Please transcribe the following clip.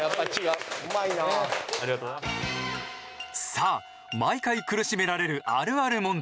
さあ毎回苦しめられるあるある問題。